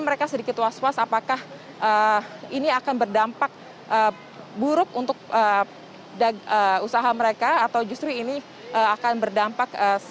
mereka sedikit was was apakah ini akan berdampak buruk untuk usaha mereka atau justru ini akan berdampak